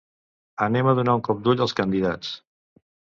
Anem a donar un cop d'ull als candidats.